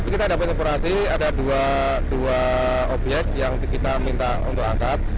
kita dapat informasi ada dua obyek yang kita minta untuk angkat